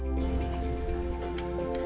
dengan lahan yang sangat terbatas